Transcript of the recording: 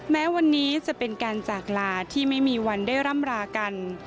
แม้วันนี้จะเป็นการจากลาที่ไม่มีวันได้ร่ำรากัน